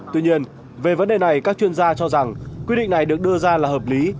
tuy nhiên về vấn đề này các chuyên gia cho rằng quy định này được đưa ra là hợp lý